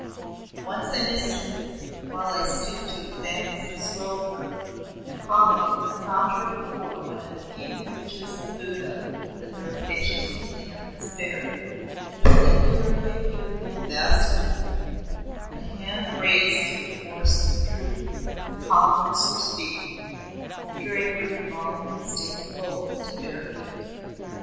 Once I missed her, while I stooped to examine some scroll work, and following, found her before one of the few images of the Buddha that the rapacious Museum had spared a singularly beautiful bas relief, the hand raised to enforce the truth the calm lips were speaking, the drapery falling in stately folds to the bare feet.